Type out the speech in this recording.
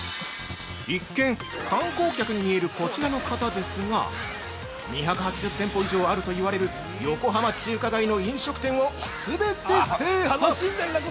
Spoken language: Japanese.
◆一見、観光客に見えるこちらの方ですが、２８０店舗以上あると言われる横浜中華街の飲食店を全て制覇！